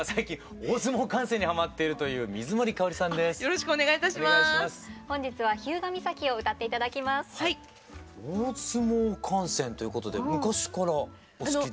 大相撲観戦ということで昔からお好きで？